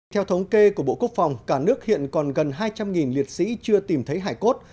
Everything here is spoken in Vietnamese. theo thống kê của bộ quốc phòng cả nước hiện còn gần hai trăm linh liệt sĩ chưa tìm thấy hải cốt